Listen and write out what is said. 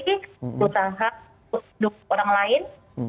usaha untuk hidup orang lain